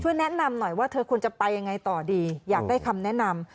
แนะนำหน่อยว่าเธอควรจะไปยังไงต่อดีอยากได้คำแนะนำ